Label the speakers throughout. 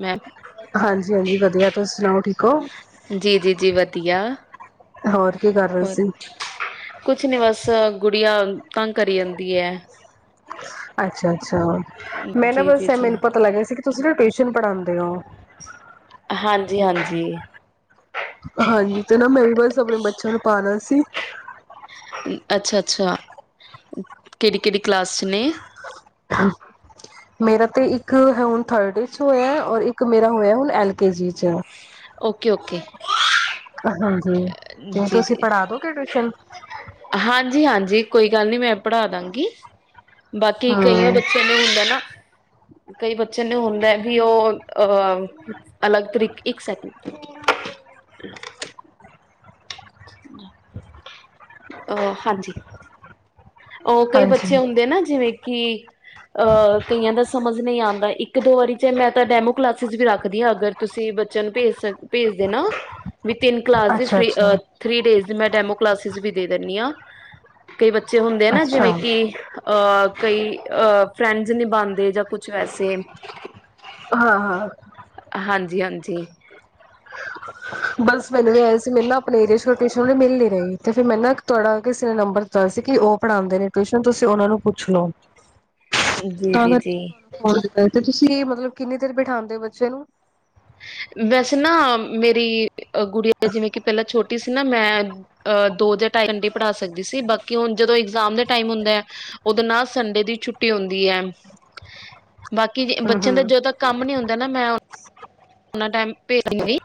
Speaker 1: ਮੈ,
Speaker 2: ਹਾਂਜੀ ਹਾਂਜੀ ਵਧੀਆ ਤੁਸੀਂ ਸੁਣਾਓ ਠੀਕ ਹੋ
Speaker 1: ਜੀ ਜੀ ਜੀ ਵਧੀਆ।
Speaker 2: ਹੋਰ ਕੀ ਕਰ ਰਹੇ
Speaker 1: ਹੋਰ,
Speaker 2: ਸੀ
Speaker 1: ਕੁਛ ਨੀ ਬਸ ਗੁੜੀਆ ਤੰਗ ਕਰੀ ਜਾਂਦੀ ਐ।
Speaker 2: ਅੱਛਾ ਅੱਛਾ, ਮੈਂ ਨਾ
Speaker 1: ਜੀ ਜੀ
Speaker 2: ਬਸ ਐ
Speaker 1: ਜੀ
Speaker 2: ਮੈਨੂੰ ਪਤਾ ਲੱਗਿਆ ਸੀ ਕਿ ਤੁਸੀਂ ਨਾ ਟੁਊਸ਼ ਟਿਊਸ਼ਨ ਪੜ੍ਹਾਂਦੇ ਔ।
Speaker 1: ਹਾਂਜੀ ਹਾਂਜੀ।
Speaker 2: ਹਾਂਜੀ ਤੇ ਨਾ ਮੈਂ ਵੀ ਬਸ ਆਪਣੇ ਬੱਚਿਆਂ ਨੂੰ ਪਾਉਣਾ ਸੀ
Speaker 1: ਅੱਛਾ ਅੱਛਾ, ਕੇੜੀ ਕੇੜੀ ਕਲਾਸ ਚ ਨੇ?
Speaker 2: [inaudible] [inaudible] ਮੇਰਾ ਹੋਯੈ ਹੁਣ ਐਲ ਕੇ ਜੀ ਚ।
Speaker 1: Okay okay.
Speaker 2: ਹਾਂਜੀ, ਤੇ
Speaker 1: ਜੀ
Speaker 2: ਤੁਸੀਂ
Speaker 1: ਜੀ
Speaker 2: ਪੜ੍ਹਾ ਦੋਗੇ ਟਿਊਸ਼ਨ?
Speaker 1: ਹਾਂਜੀ ਹਾਂਜੀ ਕੋਈ ਗੱਲ ਨੀ ਮੈਂ ਪੜ੍ਹਾ ਦਾਂਗੀ। ਬਾਕੀ ਕਈਆਂ
Speaker 2: ਹਮ
Speaker 1: ਬੱਚਿਆਂ ਨੂੰ ਹੁੰਦੈ ਨਾ ਕਈ ਬੱਚੇ ਨੂੰ ਹੁੰਦੈ, ਵੀ ਔ ਅਹ ਅਲੱਗ ਤਰੀਕ ਇੱਕ ਸੈਕਿੰਡ ਅਹ ਹਾਂਜੀ। ਔ ਕਈ ਬੱਚੇ
Speaker 2: ਹਾਂਜੀ
Speaker 1: ਹੁੰਦੇ ਨਾ ਜਿਵੇਂ ਕਿ ਅਹ ਕਈਆਂ ਦਾ ਸਮਝ ਨਹੀਂ ਆਂਦਾ ਇੱਕ ਦੋ ਵਾਰੀ ਚ ਮੈਂ ਤਾਂ ਡੈਮੋ ਕਲਾਸਿਸ ਵੀ ਰੱਖਦੀ ਹਾਂ ਅਗਰ ਤੁਸੀਂ ਬੱਚਿਆਂ ਨੂੰ ਭੇਜ ਸਕ ਭੇਜ ਦੇਨਾ। ਵਿ ਤਿੰਨ ਕਲਾਸ ਦੀ
Speaker 2: ਅੱਛਾ
Speaker 1: ਫਰੀ
Speaker 2: ਅੱਛਾ
Speaker 1: ਅ ਥਰੀ ਡੇਜ਼ ਦੀ ਮੈਂ ਡੈਮੋ ਕਲਾਸਿਸ ਵੀ ਦੇ ਦਿੰਣੀ ਆ, ਕਈ ਬੱਚੇ ਦੇ ਨੈ
Speaker 2: ਅੱਛਾ
Speaker 1: ਜਿਵੇਂ ਕਿ ਅਹ ਕਈ ਅ ਫਰੈਂਡਸ ਨਿਭਾਂਦੇ ਜਾਂ ਕੁਛ ਵੈਸੇ
Speaker 2: ਹਾਂ ਹਾਂ।
Speaker 1: ਹਾਂਜੀ ਹਾਂਜੀ।
Speaker 2: ਬਸ ਮੈਨੂੰ ਵੀ ਆਯਾ ਸੀ ਮੇਨ ਨਾ ਅਪਣੇ ਏਰੀਏ ਚ ਟਿਸੋ਼ਨ ਮਿਲ ਨੀ ਰਹੀ ਤੇ ਫਿਰ ਮੈਨ ਨਾ ਤੁਹਾਡਾ ਕਿਸੇ ਨੇ ਨੰਬਰ ਦਿੱਤਾ ਸੀ ਕਿ ਔ ਪੜ੍ਹਾਂਦੇ ਨੇ ਟਿਊਸ਼ਨ ਤੁਸੀਂ ਔਨਾਂ ਨੂੰ ਪੁੱਛ ਲੋ।
Speaker 1: ਜੀ
Speaker 2: ਤਾਂ
Speaker 1: ਜੀ
Speaker 2: ਕਰਕੇ ਮੈਂ
Speaker 1: ਜੀ
Speaker 2: ਤੁਹਾਨੂੰ ਕਾਲ ਕੀਤਾ, ਤੇ ਤੁਸੀਂ ਮਤਲਬ ਕਿੰਨੀ ਤਿਰ ਬਿਠਾੰਦੇ ਔ ਬੱਚੇਆ ਨੂੰ।
Speaker 1: ਵੈਸੇ ਨਾ ਮੇਰੀ। ਅਹ ਗੁਡੀਆਂ ਜਿਵੇਂ ਕਿ ਪਹਿਲਾਂ ਛੋਟੀ ਸੀ। ਨਾ ਮੈਂ ਦੋ ਜਾਂ ਢਾਈ ਘੰਟੇ ਪੜ੍ਹਾ ਸਕਦੀ ਸੀ ਬਾਕੀ ਹੁਣ ਜਦੋਂ ਇਗਜ਼ਾਮ ਦੇ ਟਾਈਮ ਹੁੰਦਾ ਓਦੋਂ ਨਾ ਸੰਡੇ ਦੀ ਛੁੱਟੀ ਹੁੰਦੀ ਹੈ। ਬਾਕੀ ਜੇ
Speaker 2: ਹੂੰ
Speaker 1: ਬੱਚਿਆਂ ਦਾ
Speaker 2: ਹੂੰ
Speaker 1: ਜਦੋਂ ਤੱਕ ਕੰਮ ਨਹੀਂ । ਹੁੰਦਾ ਨਾ ਮੈਂ। ਉਹਨਾ ਟਾਈਮ ਭੇਜ ਤਾਂ ਦਿੰਦੀ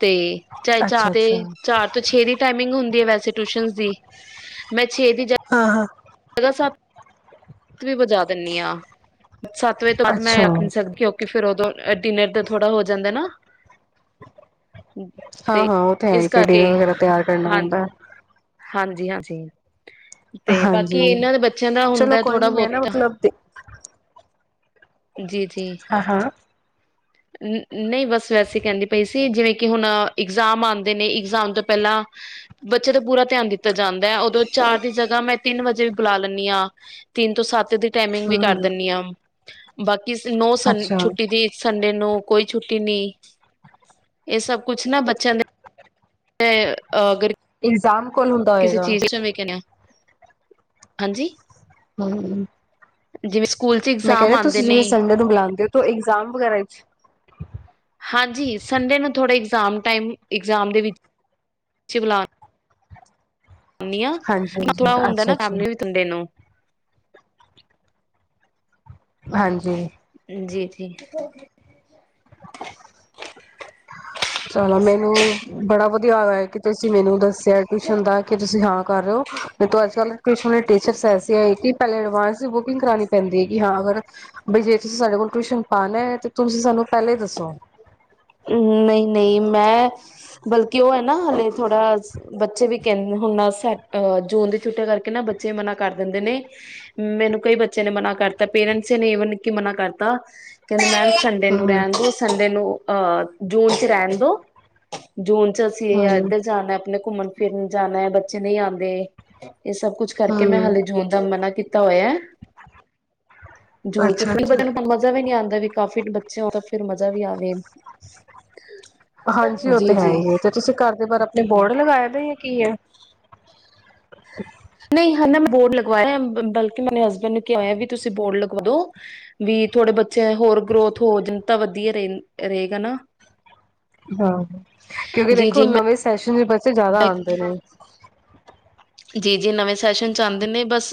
Speaker 1: ਤੇ। ਚਾਹੇ ਚਾਰ
Speaker 2: ਅੱਛਾ
Speaker 1: ਤੇ
Speaker 2: ਅੱਛਾ
Speaker 1: ਚਾਰ ਤੋਂ ਛੇ ਦੀ। ਟਾਈਮਿੰਗ ਹੁੰਦੀ ਹੈ ਵੈਸੇ ਟਿਊਸ਼ਨ ਦੀ ਮੈਂ।
Speaker 2: ਹਾਂ ਹਾਂ।
Speaker 1: ਸਾਵਾ ਸੱਤ ਵੀ ਵਜਾ ਦਿੰਣੀ ਹਾਂ। ਸੱਤ ਵਜੇ ਤੋਂ ਬਾਅਦ ਮੈਂ
Speaker 2: ਅੱਛਾ
Speaker 1: ਰੱਖ ਨਹੀਂ ਸਕਦੀ ਕਿਉਂਕ ਫ਼ਿਰ ਉਦੋਂ। ਡਿਨਰ ਦਾ ਥੋੜ੍ਹਾ ਹੋ ਜਾਂਦਾ ਨਾ।
Speaker 2: ਹਾਂ ਹਾਂ ਉਹ ਤੇ ਹੈ
Speaker 1: ਇਸ
Speaker 2: ਹੀ ਫਿਰ
Speaker 1: ਕਰਕੇ
Speaker 2: ਡਿਨਰ ਵਗੈਰਾ ਤਿਆਰ ਕਰਨਾ
Speaker 1: ਹਾਂ
Speaker 2: ਹੁੰਦਾ ਹੈ।
Speaker 1: ਹਾਂਜੀ ਹਾਂਜੀ। ਤੇ ਬਾਕੀ
Speaker 2: ਹਾਂਜੀ
Speaker 1: ਇਹਨਾਂ ਦੇ ਬੱਚਿਆਂ ਦਾ
Speaker 2: ਚਲੋ
Speaker 1: ਹੁੰਦਾ
Speaker 2: ਕੋਈ
Speaker 1: ਥੋੜਾ
Speaker 2: ਨੀ ਮੈਂ ਨਾ
Speaker 1: ਬਹੁਤਾ।
Speaker 2: ਮਤਲਬ
Speaker 1: ਜੀ ਜੀ।
Speaker 2: ਹਾਂ-ਹਾਂ।
Speaker 1: ਨਹੀਂ ਬਸ ਵੈਸੇ ਕਹਿੰਦੀ ਪਈ ਸੀ ਜਿਵੇਂ ਕਿ ਹੁਣ ਇਗਜ਼ਾਮ ਆਂਦੇ ਨੇ ਇਗਜ਼ਾਮ ਤੋਂ ਪਹਿਲਾਂ ਬੱਚੇ ਦਾ ਪੂਰਾ ਧਿਆਨ ਦਿੱਤਾ ਜਾਂਦਾ ਹੈ ਉਦੋਂ ਚਾਰ ਦੀ ਜਗਾ ਮੈਂ ਤਿੰਨ ਵਜੇ ਵੀ ਬੁਲਾ ਲੈਂਨੀ ਆ, ਤਿੰਨ ਤੋਂ ਸੱਤ ਦੀ ਟਾਈਮਿੰਗ ਵੀ
Speaker 2: ਹੂੰ
Speaker 1: ਕਰ
Speaker 2: ਹੂੰ
Speaker 1: ਦਿੰਨੀ ਆ ਬਾਕ ਕਿਸੀ ਨੋ ਸੰਨ
Speaker 2: ਅੱਛਾ
Speaker 1: ਛੁੱਟੀ ਦੀ ਸੰਡੇ ਨੂੰ। ਕੋਈ ਛੁੱਟੀ ਨਹੀਂ ਇਹ ਸਭ ਕੁਛ ਨਾ ਬੱਚਿਆਂ ਦੇ ਤੇ ਅ ਅਗਰ
Speaker 2: ਇਗਜਾਮ ਬਿਲਕੁਲ ਹੁੰਦਾ
Speaker 1: ਕਿਸੇ
Speaker 2: ਹੋਏਗਾ।
Speaker 1: ਚੀਜ਼ ਜਿਵੇਂ ਕਹਿੰਦੇ ਆ ਹਾਂਜੀ?
Speaker 2: ਹੂੰ।
Speaker 1: ਜਿਵੇਂ ਸਕੂਲ ਚ
Speaker 2: ਮੈਂ ਕਹ ਰੀ
Speaker 1: ਇਗਜ਼ਾਮ
Speaker 2: ਆਂ
Speaker 1: ਆਉਂਦੇ
Speaker 2: ਤੁਸੀਂ
Speaker 1: ਨੇ
Speaker 2: ਜਿਵੇਂ ਸੰਡੇ ਨੂੰ ਬੁਲਾਂਦੇ ਓ ਤੇ ਇਗਜ਼ਾਮ ਵਗੈਰਾ ਚ
Speaker 1: ਹਾਂਜੀ ਸੰਡੇ ਨੂੰ ਥੋੜੇ ਇਗਜ਼ਾਮ ਟਾਈਮ ਇਗਜ਼ਾਮ ਦੇ ਵਿੱਚ [unintelligible] ਬੁਲਾਨੀ ਆਂ,
Speaker 2: ਹਾਂਜੀ
Speaker 1: ਆਪਣਾ
Speaker 2: ਹਾਂਜੀ
Speaker 1: ਥੋੜਾ ਹੁੰਦਾ
Speaker 2: ਅੱਛਾ
Speaker 1: ਨਾ
Speaker 2: ਅੱਛਾ
Speaker 1: ਫੈਮਲੀ ਵੀ ਸੰਡੇ ਨੂੰ।
Speaker 2: ਹਾਂਜੀ।
Speaker 1: ਜੀ-ਜੀ।
Speaker 2: ਚਲੋ ਮੈਨੂੰ ਬੜਾ ਵਧੀਆ ਹੋਇਆ ਕਿ ਤੁਸੀਂ ਮੈਨੂੰ ਦੱਸ ਟਿਊਸ਼ਨ ਦਾ ਕਿ ਤੁਸੀਂ ਹਾਂ ਕਰ ਰਹੇ ਹੋ ਨਹੀਂ ਤੇ ਅੱਜਕਲ੍ਹ ਟਿਊਸਨ ਦੀ ਟੀਚਰਸ ਐਸਿਆ ਐ ਕਿ ਪਹਿਲੇ ਐਡਵਾਂਸ ਤੇ ਬੁਕਿੰਗ ਕਰਾਨੀ ਪੈਂਦੀ ਹੈ ਕਿ ਹਾਂ ਅਗਰ ਬਈ ਜੇ ਤੁਸੀਂ ਸਾਡੇ ਕੋਲ ਟਿਊਸ਼ਨ ਪਾਨਾ ਐ ਤੇ ਤੁਸੀਂ ਸਾਨੂੰ ਪਹਿਲੇ ਦੱਸੋ।
Speaker 1: ਨਹੀਂ-ਨਹੀਂ, ਮੈਂ ਬਲਕਿ ਉਹ ਹੈ ਨਾ ਹਾਲੇ ਥੋੜਾ ਬੱਚੇ ਵੀ ਕਹਿੰਦੇ ਹੁਣ ਜੂਨ ਦੀ ਛੁੱਟੀਆਂ ਕਰਕੇ ਨਾ ਬੱਚੇ ਮਨਾ ਕਰ ਦਿੰਦੇ ਨੇ, ਮੈਨੂੰ ਕਈ ਬੱਚੇ ਨੇ ਮਨਾ ਕਰਤਾ ਪੇਰੈਂਟਸ ਨੇ ਈਵਨ ਕੀ ਮਨਾ ਕਰਤਾ ਮੈ ਸੰਡੇ ਨੂੰ
Speaker 2: ਹਮ
Speaker 1: ਰਹਿਨ ਦੋ ਸੰਡੇ ਨੂੰ ਅਹ ਜੂਨ ਚ ਰਹਿਣ ਦੋ, ਜੂਨ ਚ ਅਸੀਂ ਇਹ
Speaker 2: ਹਮ
Speaker 1: ਇੱਧਰ ਜਾਨਾ ਐ ਅਪਨੇ ਘੁੰਮਣ ਫਿਰਨ ਜਾਣਾ ਬੱਚੇ ਨਹੀਂ ਆਂਦੇ। ਇਹ ਸਭ ਕੁਛ ਕਰਕੇ ਮੈਂ
Speaker 2: ਹਮ
Speaker 1: ਹਾਲੇ ਜੂਨ ਦਾ ਮਨਾ ਕੀਤਾ ਹੋਇਆ ਐ, ਜੂਨ ਚ
Speaker 2: ਅੱਛਾ
Speaker 1: ਫਿਰ
Speaker 2: ਅੱਛਾ
Speaker 1: [unintelligible] ਮਜ਼ਾ ਵੀ ਨੀ ਆਂਦਾ। ਦਾ ਵੀ ਕਾਫੀ ਬੱਚੇ ਹੋਏ ਤਾਂ ਫਿਰ ਮਜ਼ਾ ਵੀ ਆਵੇ।
Speaker 2: ਹਾਂਜੀ, ਉਹ
Speaker 1: ਜੀ
Speaker 2: ਤੇ ਹੈ
Speaker 1: ਜੀ
Speaker 2: ਹੀ ਏ ਤੇ ਤੁਸੀਂ ਘਰ ਦੇ ਬਾਹਰ ਅਪ ਤੁਸੀ ਬੋਰਡ ਲਗਾਏ ਦਾ ਯਾ ਕੀ ਐ?
Speaker 1: ਨਹੀਂ ਹਨਾ ਮੈਂ ਬੋਰਡ ਲਗਵਾਇਆ ਬਲਕਿ ਮੈਨੇ ਹਸਬੈਂਡ ਨੂੰ ਕਿਹਾ ਹੋਇਆ ਵੀ ਤੁਸੀਂ ਬੋਰਡ ਲਗਵਾ ਦੋ ਵੀ ਥੋੜੇ ਬ ਚਾਹੇ ਹੋਰ ਗਰੋਥ ਹੋ ਜਾਣ ਤਾਂ ਵ ਵਧੀਆ ਰੇ ਰਏਗਾ ਨਾ।
Speaker 2: ਹਾਂ ਕਿਉਂਕਿ
Speaker 1: ਜੀ
Speaker 2: ਦੇਖੋ
Speaker 1: ਜੀ ਮੈਂ
Speaker 2: ਨਵੇਂ ਸੈਸ਼ਨ [unintelligible] ਜ਼ਿਆਦਾ ਆਦੇ ਨੇ।
Speaker 1: ਜੀ ਜੀ ਨਵੇਂ ਸੈਸ਼ਨ ਚ ਆਂਦੇ ਨੇ ਬਸ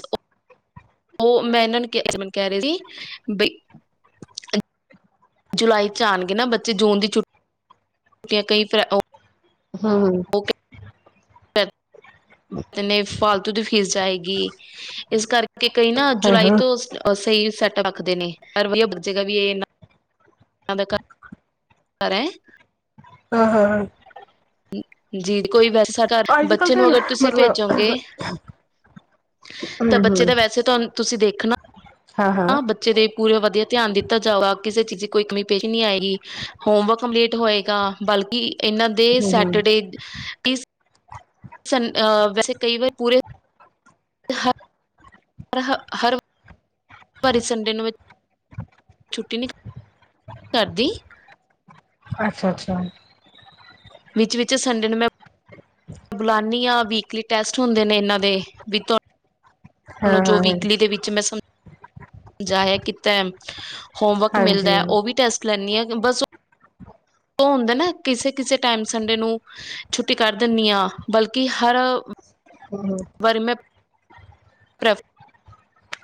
Speaker 1: ਉਹ ਮੈਂ ਇਹਨਾਂ ਨੂੰ ਕਹਿ ਰਹੀ ਸੀ ਬ ਜੁਲਾਈ ਚ ਆਣਗੇ ਨਾ ਬੱਚੇ ਜੂਨ ਦੀ ਛੁੱਟੀਆਂ ਫਿਰ ਕਈ ਉਹ
Speaker 2: ਹੂੰ-ਹੂੰ,
Speaker 1: ਨੇ ਫਾਲਤੂ ਦੀ ਫੀਸ ਜਾਏਗੀ। ਇਸ ਕਰਕੇ ਕਈ ਨਾ
Speaker 2: ਹਾਂ
Speaker 1: ਜੁਲਾਈ
Speaker 2: ਹਾਂ
Speaker 1: ਤੋਂ ਅ ਸਹੀ ਸੈੱਟ ਰਖਦੇ ਨੇ [unintelligible] ਵੀ ਇਹ ਦਾ
Speaker 2: ਹਾਂ ਹਾਂ ਹਾਂ,
Speaker 1: ਜੀ ਕੋਈ ਬਸ, ਸਾਡਾ
Speaker 2: ਅੱਜ ਕੱਲ
Speaker 1: ਬੱਚੇ
Speaker 2: ਤੇ
Speaker 1: ਨੂੰ ਅਗਰ ਤੁਸੀਂ
Speaker 2: ਮਤਲਬ
Speaker 1: ਭੇਜੋਗੇ
Speaker 2: ਹੂੰ
Speaker 1: ਤਾਂ
Speaker 2: ਹੂੰ
Speaker 1: ਬੱਚੇ ਦਾ ਵੈਸੇ ਤੁ ਤੁਸੀਂ ਦੇਖਣਾ, ਹਾਂ ਬੱਚੇ ਦੇ ਪੂਰੇ ਵਧੀਆ ਧਿਆਨ ਦਿੱਤਾ ਜਾਵੇਗਾ ਕਿਸੇ ਚੀਜ਼ ਕੋਈ ਕਮੀ ਪੇਸੀ ਨੀ ਆਈ ਹੋਮਵਰਕ ਕੰਪਲੀਟ ਹੋਏਗਾ ਬਲਕਿ ਇਹਨਾਂ ਦੇ
Speaker 2: ਹੂੰ ਹੂੰ
Speaker 1: ਸੈਟਰਡੇ ਵੈਸੇ ਕਈ ਵਾਰ ਪੂਰੇ ਹਾਂ, ਹਰ ਹਰ ਭਾਰੀ ਸੰਡੇ ਨੂੰ ਵਿੱਚ ਛੁੱਟੀ ਨੀ ਕਰਦੀ।
Speaker 2: ਅੱਛਾ ਅੱਛਾ,
Speaker 1: ਵਿੱਚ ਵਿਚ ਸੰਡੇ ਨੂੰ ਮੈਂ ਬੁਲਾਨੀ ਹਾਂ ਵੀਕਲੀ ਟੈਸਟ ਹੁੰਦੇ ਨੇ ਇਹਨਾਂ ਦੇ। ਵੀ
Speaker 2: ਹਾਂ
Speaker 1: ਤੁਹਾਨੂੰ ਜੋ
Speaker 2: ਹਾਂ ਹਾਂ
Speaker 1: ਵੀਕਲੀ ਦੇ ਵਿੱਚ ਮੈਂ ਸਮ ਜਾਇਆ ਕੀਤਾ ਹੈ। ਹੋਮਵਰਕ
Speaker 2: ਹਾਂਜੀ
Speaker 1: ਮਿਲਦਾ ਹੈ ਉਹ ਵੀ ਟੈਸਟ ਲੈਣੀ ਆ ਬਸ ਉਹ ਹੁੰਦਾ ਨਾ ਕਿਸੇ-ਕਿਸੇ ਟਾਈਮ ਸੰਡੇ ਨੂੰ ਛੁੱਟੀ ਕਰ ਦਿੰਦੀ ਆ। ਬਲਕਿ ਹਰ
Speaker 2: ਹੂੰ ਹੂੰ
Speaker 1: ਪ੍ਰਭ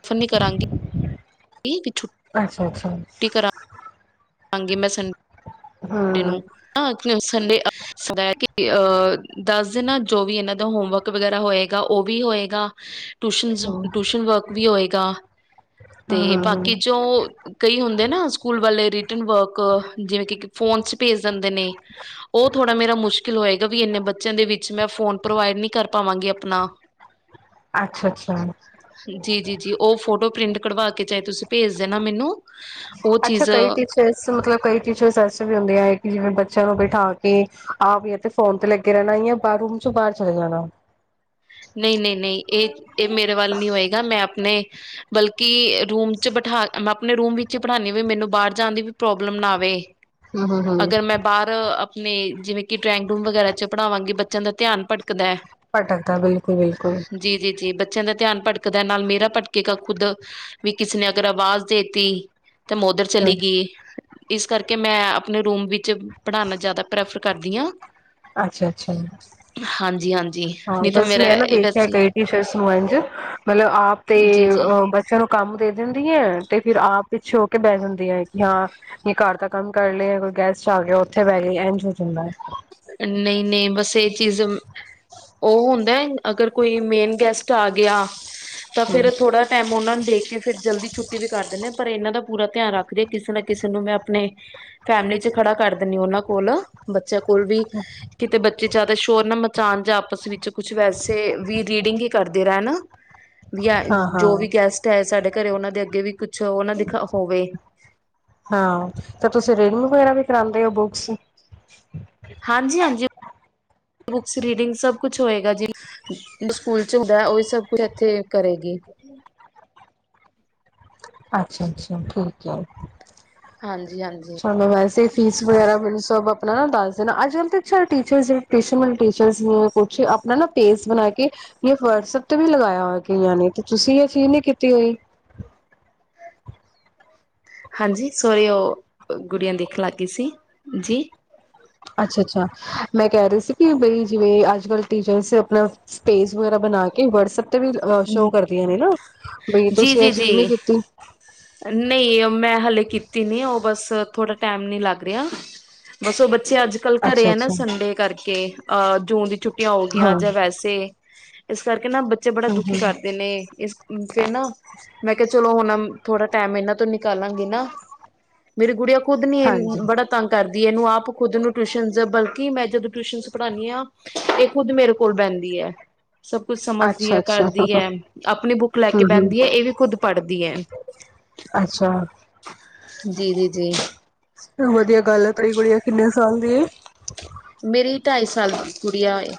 Speaker 1: ਪ੍ਰੈਫਰ ਨੀ ਕਰਾਂਗੀ ਕਿ ਛੁੱਟੀ
Speaker 2: ਅੱਛਾ-ਅੱਛਾ।
Speaker 1: [inaudible] ਨੂੰ
Speaker 2: ਹੂੰ
Speaker 1: ਆਹ [inaudible] ਸੰਡੇ ਦਸਦੇ ਨਾ ਜੋ ਵੀ ਇਹਨਾਂ ਦਾ ਹੋਮ ਵਰਕ ਵਗੈਰਾ ਹੋਏਗਾ ਉਹ ਵੀ ਹੋਏਗਾ। ਟ
Speaker 2: ਹੂੰ
Speaker 1: ਟਊਸ਼ਨ ਵਰਕ ਵੀ ਹੋਏਗਾ। ਤੇ ਬਾਕੀ ਜੋ ਕਈ ਹੁੰਦੇ ਨਾ ਸਕੂਲ ਵਾਲੇ ਰਿਟਰਨ ਵਰਕ ਜਿਵੇ ਕਿ ਫੋਨ ਚ ਭੇਜ ਦਿੰਦੇ ਨੇ ਉਹ ਥੋੜਾ ਮੇਰਾ ਮੁਸ਼ਕਿਲ ਹੋਏਗਾ। ਵੀ ਇਨੇ ਬੱਚਿਆਂ ਦੇ ਵਿੱਚ ਮੈਂ ਫੋਨ ਪ੍ਰੋਵਾਈਡ ਨੀ ਕਰ ਪਾਵਾਂਗੀ। ਆਪਣਾ
Speaker 2: ਅੱਛਾ-ਅੱਛਾ।
Speaker 1: ਜੀ-ਜੀ ਜੀ ਉਹ ਫੋਟੋ ਪ੍ਰਿੰਟ ਕਢਵਾ ਕੇ ਚਾਹੇ ਤੁਸੀਂ ਭੇਜ ਦੇਣਾ ਮੈਨੂੰ। ਉਹ
Speaker 2: ਅੱਛਾ
Speaker 1: ਚੀਜ਼
Speaker 2: ਕਈ ਟੀਚਰਸ ਮਤਲਬ ਕਈ ਟੀਚਰਸ ਐਸ ਵੀ ਹੁੰਦੇ ਆ ਕਿ ਜਿਵੇਂ ਬੱਚਿਆਂ ਨੂੰ ਬਿਠਾ ਕੇ ਆਪ ਇਥੇ ਫੋਨ ਤੇ ਲੱਗੇ ਰਹਿਣਾ ਜਾਂ ਬਾਹਰ ਰੂਮ ਚ ਬਾਹਰ ਚਲੇ ਜਾਣਾ।
Speaker 1: ਨਹੀਂ-ਨਹੀਂ- ਨਹੀਂ ਇਹ-ਇਹ ਮੇਰੇ ਵੱਲ ਨੀ ਹੋਏਗਾ, ਮੈਂ ਆਪਣੇ ਬਲਕਿ ਰੂਮ ਚ ਬਿਠਾ ਮੈਂ ਆਪਣੇ ਰੂਮ ਵਿਚ ਹੀ ਬਠਾਣੀ ਆ ਮੈਨੂੰ ਬਾਹਰ ਜਾਣ ਦੀ ਵੀ ਪ੍ਰੋਬਲਮ ਨਾ ਆਵੇ।
Speaker 2: ਹੂੰ ਹੂੰ ਹੂੰ
Speaker 1: ਅਗਰ ਮੈਂ ਬਾਹਰ ਅਪ ਨੇ ਜਿਵੇਂ ਕਿ ਡਰਾਇੰਗ ਰੂਮ ਵਗੈਰਾ ਚ ਪੜ੍ਹਾਵਾਂਗੀ, ਬੱਚਿਆਂ ਦਾ ਧਿਆਨ ਭਟਕਦਾ ਐ।
Speaker 2: ਭਟਕਦਾ ਬਿਲਕੁਲ-ਬਿਲਕੁਲ।
Speaker 1: ਜੀ ਜੀ ਬੱਚਿਆਂ ਦਾ ਧਿਆਨ ਭਟਕਦਾ ਨਾਲ ਮੇਰਾ ਭਟਕੇਗਾ ਖੁੱਦ ਵੀ ਕਿਸੇ ਨੇ ਅਗਰ ਆਵਾਜ਼ ਦੇਤੀ। ਤੇ ਮੈਂ ਓਧਰ ਚਲੀ ਗਈ। ਇਸ ਕਰਕੇ ਮੈਂ ਆਪਣੇ ਰੂਮ ਵਿੱਚ ਪੜ੍ਹਾਣਾ ਜ਼ਿਆਦਾ ਪ੍ਰੈਫਰ ਕਰਦੀ ਹਾਂ।
Speaker 2: ਅੱਛਾ-ਅੱਛਾ।
Speaker 1: ਜੀ ਹਾਂਜੀ।
Speaker 2: ਹਾਂ ਬਸ ਮੈਂ ਨਾ ਦੇਖਿਆ ਕਈ ਟੀਚਰਸ ਨੂੰ ਇੰਝ ਮਤਲਬ ਆਪ ਤੇ
Speaker 1: ਜੀ-ਜੀ
Speaker 2: ਅ ਬੱਚਿਆਂ ਨੂੰ ਕੰਮ ਦੇ ਦਿੰਦੀ ਹੈ। ਤੇ ਫਿਰ ਆਪ ਪਿੱਛੇ ਹੋ ਕੇ ਬਹਿ ਜਾਂਦੀਆਂ ਕਿ ਹਾਂ ਜੇ ਘਰ ਦਾ ਕੰਮ ਕਰ ਲਿਆ ਕੋਈ ਗੈਸਟ ਆ ਗਿਆ ਉੱਥੇ ਬਹਿ ਗਈ ਇੰਝ ਹੋ ਜਾਂਦਾ ਹੈ।
Speaker 1: ਨਹੀਂ-ਨਹੀਂ ਬਸ ਇਹ ਚੀਜ਼ ਉਹ ਹੁੰਦਾ ਅਗਰ ਕੋਈ ਮੇਨ ਗੈਸਟ ਆ ਗਿਆ। ਤਾਂ
Speaker 2: ਹੈ।
Speaker 1: ਫਿਰ ਥੋੜਾ ਟਾਈਮ ਉਹਨਾਂ ਨੂੰ ਦੇਖ ਕੇ ਫਿਰ ਜਲਦੀ ਛੁੱਟੀ ਵੀ ਕਰ ਦਿੰਦੇ ਆਂ ਇਹਨਾਂ ਦਾ ਪੂਰਾ ਧਿਆਨ ਰੱਖਦੀ ਆਂ, ਕਿਸੇ ਨਾ ਕਿਸੇ ਨੂੰ ਮੈਂ ਆਪਣੇ ਫੈਮਿਲੀ ਚ ਖੜਾ ਕਰ ਦਿੰਦੀ ਉਹਨਾਂ ਕੋਲ ਬੱਚਿਆਂ ਕੋਲ ਕੋਲ ਵੀ ਕਿਤੇ ਬੱਚੇ ਜਿਆਦਾ ਸ਼ੋਰ ਨਾ ਮਚਾਉਣ ਜਾਂ ਆਪਸ ਵਿੱਚ ਕੁਛ ਵੈਸੇ ਵੀ ਰੀਡਿੰਗ ਹੀ ਕਰਦੇ ਰਹਿਣ। ਵੀ ਆ
Speaker 2: ਹਾਂ
Speaker 1: ਜੋ
Speaker 2: ਹਾਂ
Speaker 1: ਵੀ ਗੈਸਟ ਹੈ ਸਾਡੇ ਘਰੇ ਉਹਨਾਂ ਦੇ ਅੱਗੇ ਵੀ ਕੁਛ ਉਹ ਨਾ ਦਿਖਾ ਹੋਵੇ।
Speaker 2: ਹਾਂ ਤੇ ਤੁਸੀਂ ਰੀਡਿੰਗ ਵਗੈਰਾ ਵੀ ਕਰਾਂਦੇ ਹੋ ਬੁੱਕਸ
Speaker 1: ਹਾਂਜੀ, ਹਾਂਜੀ ਬੁਕਸ ਰੀਡਿੰਗ ਸਭ ਕੁਛ ਹੋਏਗਾ ਜੀ ਜਿਵੇ ਸਕੂਲ ਚ ਹੁੰਦਾ ਉਹੀ ਸਭ ਕੁਛ ਇਥੇ ਕਰੇਗੀ।
Speaker 2: ਅੱਛਾ, ਅੱਛਾ ਠੀਕ ਹੈ। [unintelligible]
Speaker 1: ਹਾਂਜੀ ਹਾਂਜੀ
Speaker 2: ਸਾਨੂੰ ਵੈਸੇ ਫੀਸ ਵਗੈਰਾ ਮੈਨੂੰ ਸਭ ਆਪਣਾ ਨਾ ਦੱਸ ਦੇਣਾ ਅੱਜ- ਕੱਲ ਕੁਛ ਟਿਊਸ਼ਨ ਟੀਚਰਸ ਨੇ ਆਪਣਾ ਪੇਜ ਬਣਾ ਕੇ ਜਾਂ ਵਟਸਐਪ ਤੇ ਵੀ ਲਗਾਇਆ ਹੋਇਆ। ਗਈਆਂ ਨੇ ਤੁਸੀਂ ਏ ਚੀਜ਼ ਨੀ ਕੀਤੀ ਹੋਈ।
Speaker 1: ਹਾਂਜੀ, ਸੋਰੀ ਉਹ ਗੁੜੀਆਂ ਦੇਖਣ ਲੱਗ ਗਈ ਸੀ ਜੀ।
Speaker 2: ਅੱਛਾ, ਅੱਛਾ ਮੈਂ ਕਹਿ ਰਹੀ ਸੀ ਕਿ ਬਈ ਜਿਵੇਂ ਅੱਜ- ਕੱਲ੍ਹ ਟੀਚਰਸ ਆਪਣਾ ਸਪੇਸ ਵਗੈਰਾ ਬਣਾ ਕੇ ਵਟਸਐਪ ਤੇ ਵੀ ਸ਼ੋਅ ਕਰਦੀਆਂ ਨੇ ਨਾ, ਬਈ
Speaker 1: ਜੀ
Speaker 2: ਤੁਸੀਂ ਇਹ
Speaker 1: ਜੀ
Speaker 2: ਚੀਜ਼ ਨੀ
Speaker 1: ਜੀ
Speaker 2: ਕੀਤੀ।
Speaker 1: ਨਹੀਂ ਮੈਂ ਹਲੇ ਕੀਤੀ ਨੀ ਉਹ ਬਸ ਥੋੜਾ ਟਾਈਮ ਨੀ ਲੱਗ ਰਿਹਾ ਬਸ ਉਹ ਬ ਬੱਚੇ ਅੱਜ- ਕੱਲ੍ਹ ਘਰੇ ਆ ਨਾ
Speaker 2: ਅੱਛਾ-ਅੱਛਾ
Speaker 1: ਸੰਡੇ ਕਰਕੇ। ਅਹ ਜੂਨ ਦੀ ਛੁੱਟੀ ਟੀਆਂ ਹੋਗੀਆਂ
Speaker 2: ਹਾਂ
Speaker 1: ਜਾਂ ਵੈਸੇ। ਇਸ ਕਰਕੇ ਨਾ ਬੱ ਬੱਚੇ ਬੜਾ ਦੁਖੀ
Speaker 2: ਹੂੰ-ਹੂੰ
Speaker 1: ਕਰਦੇ ਨੇ ਇਸ ਫਿਰ ਨਾ ਮੈਂ ਕਿਹਾ ਚਲੋ ਹੁਣ ਥੋੜਾ ਟਾਈਮ ਇਹਨਾਂ ਤੋਂ ਨਿਕਾਲਾਂਗੀ ਨਾ। ਮੇਰੀ ਗੁੜੀਆ ਖੁਦ ਨੀ
Speaker 2: ਹਾਂਜੀ
Speaker 1: ਬੜਾ ਤੰਗ ਕਰਦੀ। ਇਹਨੂੰ ਆਪ ਖੁਦ ਨੂੰ ਟਿਊਸ਼ਨ ਬਲਕਿ ਮੈਂ ਜਦੋਂ ਟਿਊਸ਼ਨ ਪੜ੍ਹਾਨੀ ਹਾਂ ਇਹ ਖੁਦ ਮੇਰੇ ਕੋਲ ਬਹਿੰਦੀ ਐ। ਸਭ ਕੁਛ ਸਮਝ
Speaker 2: ਅੱਛਾ-ਅੱਛਾ
Speaker 1: ਕਰਦੀ ਐ। ਆਪਣੀ ਬੁੱਕ ਲੈ ਕੇ
Speaker 2: ਹੂੰ-ਹੂੰ
Speaker 1: ਬਹਿੰਦੀ ਹੈ। ਇਹ ਵੀ ਖੁਦ ਪੜ੍ਹਦੀ ਹੈ।
Speaker 2: ਅੱਛਾ
Speaker 1: ਜੀ, ਜੀ, ਜੀ।
Speaker 2: ਚ ਵਧੀਆ ਗੱਲ ਏ। ਤਾ ਈ ਗੁੜੀਆ ਕਿੰਨੇ ਸਾਲ ਦੀ।
Speaker 1: ਮੇਰੀ ਢਾਈ ਸਾਲ ਦੀ ਗੁੜੀਆ ਏ।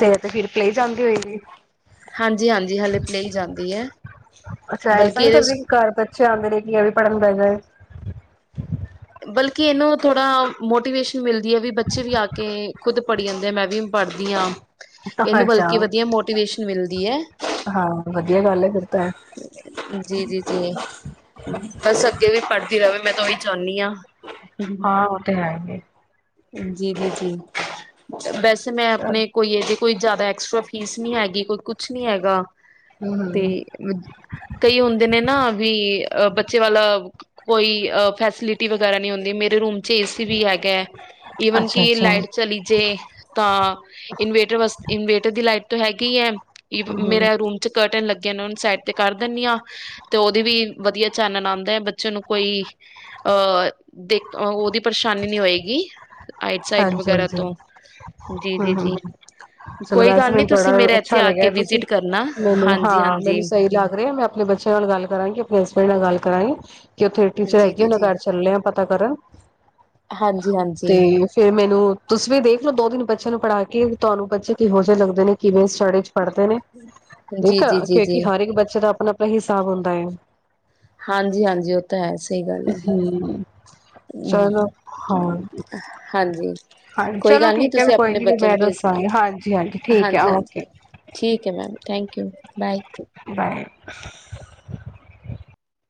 Speaker 2: ਤੇ ਤੇ ਫਿਰ ਪਲੇ ਜਾਂਦੀ ਹੋਏਗੀ।
Speaker 1: ਹਾਂਜੀ, ਹਾਂਜੀ। ਹਲੇੇ ਪਲੇ ਵੇ ਈ ਜਾਂਦੀ ਹੈ।
Speaker 2: ਅੱਛਾ ਐਸਾ
Speaker 1: ਬਲਕਿ
Speaker 2: ਨੀ ਕਰਦੀ
Speaker 1: ਇਹਦੇ
Speaker 2: ਘਰ ਚ ਆਉਂਦੇ ਨੇ ਕਿ ਇਹ ਵੀ ਪੜ੍ਹਨ ਬੈ ਜਾਏ।
Speaker 1: ਬਲਕਿ ਇਹਨੂੰ ਥੋੜਾ ਮੋਟੀਵੇਸ਼ਨ ਮਿਲਦੀ ਹੈ ਵੀ ਬੱਚੇ ਵੀ ਆ ਕੇ ਖੁਦ ਪੜ੍ਹੀ ਜਾਂਦੇ ਆ। ਮੈਂ ਵੀ ਪੜ੍ਹਦੀ ਹਾਂ। ਇਹਨੂੰ
Speaker 2: ਅੱਛਾ
Speaker 1: ਬਲਕਿ ਵਧੀਆ ਮੋਟੀਵੇਸ਼ਨ ਮਿਲਦੀ ਏ
Speaker 2: ਹਾਂ ਵਧੀਆ ਗੱਲ ਹੈ ਫਿਰ ਤਾਂ
Speaker 1: [unintelligible] ਜੀ ਜੀ, ਜੀ। ਬਸ ਅੱਗੇ ਵੀ ਪੜਦੀ ਰਹੇ। ਮੈਂ ਤਾਂ ਉਹੀ ਚਾਹੁੰਦੀ ਆਂ।
Speaker 2: ਹਾਂ, ਉਹ ਤਾਂ ਹੈ।
Speaker 1: ਜੀ, ਜੀ, ਜੀ। ਬਸ। ਮੈਂ
Speaker 2: ਚਲ
Speaker 1: ਆਪਣੇ ਕੋਈ ਇਹਦੇ ਕੋਈ ਜ਼ਿਆਦਾ ਐਕਸਟਰਾ ਫੀਸ ਨੀ ਹੈਗੀ ਕੋਈ ਕੁ ਕੁਛ ਨੀ ਹੈਗਾ। ਤੇ
Speaker 2: ਹੂੰ
Speaker 1: ਕਈ ਹੁੰਦੇ ਨੇ ਨਾ ਵੀ ਬੱਚੇ ਵਾਲਾ ਕੋਈ ਫੈਸਲਿਟੀ ਵਗਰਾ ਨ ਹੁੰਦੀ ਮੇਰੇ ਰੂਮ ਚ ਏਸੀ ਵੀ ਹੈਗਾ ਹੈ। ਈਵਨ ਕਿ
Speaker 2: ਅੱਛਾ-ਅੱਛਾ
Speaker 1: ਲਾਈਟ ਚਲੀ ਜੇ ਤਾਂ ਇਨਵੇਟਰ ਵਾਸਤੇ ਇਨਵੇਟਰ ਦੀ ਲਾਈਟ ਤੋਂ ਹੈਗੀ ਹੀ ਹੈ।
Speaker 2: ਹੂੰ-ਹੂੰ,
Speaker 1: ਮੇਰਾ ਰੂਮ ਚ ਕਰਟਨ ਲੱਗੇ। ਸਾਈਡ ਤੇ ਕਰ ਦਿੰਨੀ ਆ ਤੇ ਉਹਦੀ ਵੀ ਵਧੀਆ ਚਾਨਣ ਆਦਾ ਹੈ ਬੱਚੇ ਨੂੰ ਕੋਈ ਅਹ ਦੇਖ ਉਹਦੀ ਪਰੇਸ਼ਾਨੀ ਨੀ ਹੋਏਗੀ। ਹ [unintelligible]
Speaker 2: ਹਾਂਜੀ ਹਾਂਜੀ,
Speaker 1: ਜੀ ਜੀ
Speaker 2: ਹਾਂ-ਹਾਂ
Speaker 1: ਜੀ
Speaker 2: ਚਲੋ
Speaker 1: ਕੋਈ
Speaker 2: ਵੈਸੇ
Speaker 1: ਗੱਲ ਨੀ
Speaker 2: ਮੈਨੂੰ ਬੜਾ
Speaker 1: ਤੁਸੀਂ ਮੇਰੇ ਇੱਥੇ
Speaker 2: ਅੱਛਾ
Speaker 1: ਆ ਕੇ
Speaker 2: ਲੱਗਿਆ ਤੁਸੀਂ
Speaker 1: ਵਿਜਿਟ ਕਰਨਾ
Speaker 2: ਮੈਨੂੰ ਹਾਂ
Speaker 1: ਹਾਂਜੀ ਹਾਂਜੀ
Speaker 2: ਮੈਨੂੰ ਸਹੀ ਲੱਗ ਰਿਹਾ ਮੈਂ ਆਪਣੇ ਬੱਚਿਆਂ ਨਾਲ ਗੱਲ ਕਰਾਂਗੀ ਆਪਣੇ [inaudible] ਗੱਲ ਕਰਾਗੀ। ਕਿ ਉੱਥੇ ਟੀਚਰ
Speaker 1: ਜੀ
Speaker 2: ਹੈਗੇ
Speaker 1: ਜੀ
Speaker 2: ਉਹਦਾ
Speaker 1: ਜੀ
Speaker 2: ਘਰ ਚੱਲ ਆ ਪਤਾ ਕਰਨ
Speaker 1: ਹਾਂਜੀ ਹਾਂਜੀ
Speaker 2: ਤੇ ਮੈਨੂੰ ਤੁਸੀਂ ਵੀ ਦੇਖ ਲੋ ਦੋ ਦਿਨ ਬੱਚਿਆਂ ਨੂੰ ਪੜ੍ਹਾ ਕੇ ਤੁਹਾਨੂੰ ਬੱਚੇ ਕਿਹੋ ਜਿਹੇ ਲੱਗਦੇ ਨੇ ਕਿਵੇਂ ਸਟਾ ਪੜ੍ਹਦੇ ਨੇ ਠੀਕ
Speaker 1: ਜੀ
Speaker 2: ਆ
Speaker 1: ਜੀ ਜੀ
Speaker 2: ਕਿਉਂਕਿ
Speaker 1: ਜੀ
Speaker 2: ਹਰ ਇੱਕ ਬੱਚੇ ਦਾ ਆਪਣਾ ਦਾ ਹਿਸਾਬ ਹੁੰਦਾ ਹੈ।
Speaker 1: ਹਾਂਜੀ ਹਾਂਜੀ, ਉਹ ਤਾਂ ਹੈ ਸਹੀ ਗੱਲ ਹੈ।
Speaker 2: ਹੂੰ। ਚਲੋ ਹਾਂ,
Speaker 1: ਹਾਂਜੀ
Speaker 2: ਹਾਂਜੀ
Speaker 1: ਕੋਈ
Speaker 2: ਚਲੋ
Speaker 1: ਗੱਲ ਨੀ
Speaker 2: ਠੀਕ ਹੈ
Speaker 1: ਤੁਸੀਂ
Speaker 2: ਕੋਈ
Speaker 1: ਆਪਣੇ
Speaker 2: ਨੀ
Speaker 1: ਬੱਚੇ ਨੂੰ
Speaker 2: ਮੈਂ
Speaker 1: ਭੇਜ ਦੋ
Speaker 2: ਦੱਸਾਂਗੀ ਹਾਂਜੀ-ਹਾਂਜੀ ਠੀਕ ਹੈ
Speaker 1: ਹਾਂਜੀ ਹਾਂਜੀ
Speaker 2: ਓਕੇ
Speaker 1: ਠੀਕ ਹੈ ma'am thank you bye
Speaker 2: bye,